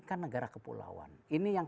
kan negara kepulauan ini yang